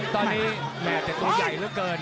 ตอนนี้แม่แต่ตัวใหญ่เหลือเกิน